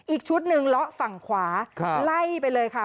อีกชุดหนึ่งเลาะฝั่งขวาไล่ไปเลยค่ะ